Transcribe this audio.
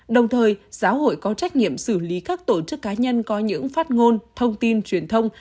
đồng thời giáo hội có trách nhiệm xử lý các tổ chức cá nhân có những phát ngôn thông tin truyền thông